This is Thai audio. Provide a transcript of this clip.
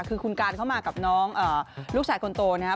คือคุณการเข้ามากับน้องลูกชายคนโตนะครับ